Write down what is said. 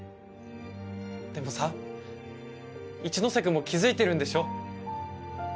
でもさ一ノ瀬くんも気づいてるんでしょ？